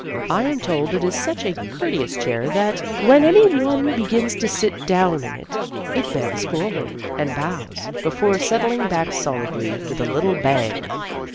I am told it is such a courteous chair that, when any one be gins to sit down in it, it bends forward, and bows, before settling back solidly with a little bang."